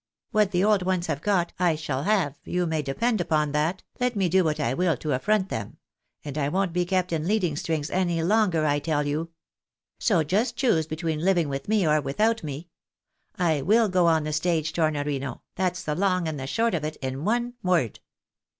What the old ones have got, I shall have, you may depend upon that, let me do what I will to affront 234 them — and I won't be kept in leading strings any longer, I tell you. So just choose between living with me or without me. I will go on the stage, Tornorino, that's the long and the short of it, in one word.